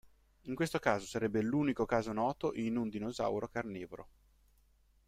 In questo caso sarebbe l'unico caso noto in un dinosauro carnivoro.